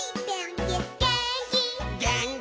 「げーんき」